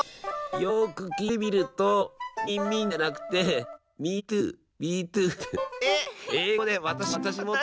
よくきいてみると「ミーンミン」じゃなくて「ミートゥーミートゥー」って。